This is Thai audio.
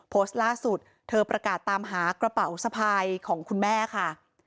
โพสต์ล่าสุดเธอประกาศตามหากระเป๋าสะพายของคุณแม่ค่ะ